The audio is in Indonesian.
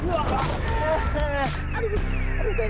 tidak dia sudah kembali